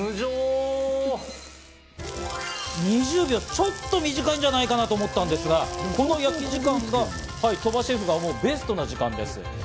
２０秒、ちょっと短いんじゃないかなと思ったんですが、この焼き時間が鳥羽シェフが思うベストな時間です。